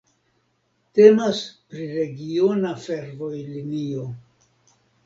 Temas pri regiona fervojlinio.